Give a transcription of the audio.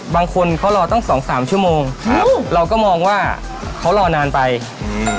บางคนเขารอตั้งสองสามชั่วโมงครับเราก็มองว่าเขารอนานไปอืม